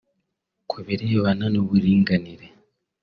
Ku birebana n’ uburinganire